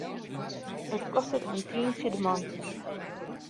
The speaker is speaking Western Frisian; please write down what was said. It kostet in tientsje de man.